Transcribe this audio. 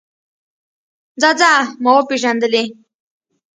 ځه ځه ما وپېژندلې.